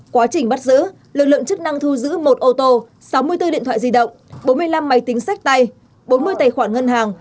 quá trình bắt giữ lực lượng chức năng thu giữ một ô tô sáu mươi bốn điện thoại di động bốn mươi năm máy tính sách tay bốn mươi tài khoản ngân hàng